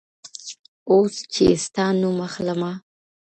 اوس چي ستا نوم اخلمه,